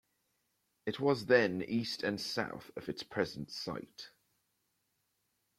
It was then east and south of its present site.